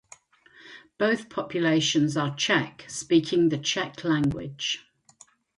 Both populations are Czech speaking the Czech language.